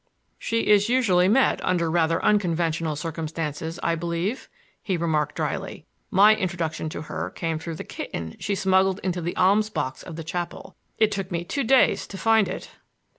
"She is usually met under rather unconventional circumstances, I believe," he remarked dryly. "My introduction to her came through the kitten she smuggled into the alms box of the chapel. It took me two days to find it."